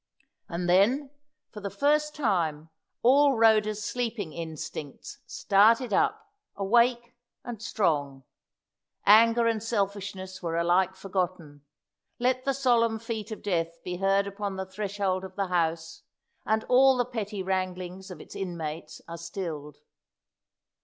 And then, for the first time, all Rhoda's sleeping instincts started up, awake and strong. Anger and selfishness were alike forgotten. Let the solemn feet of death be heard upon the threshold of the house, and all the petty wranglings of its inmates are stilled.